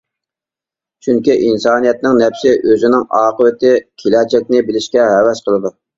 چۈنكى ئىنسانىيەتنىڭ نەپسى ئۆزىنىڭ ئاقىۋىتى، كېلەچەكنى بىلىشكە ھەۋەس قىلىدۇ.